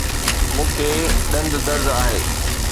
مون کي ڏند درد آهي